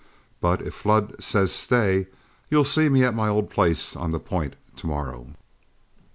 But if Flood says stay, you'll see me at my old place on the point to morrow."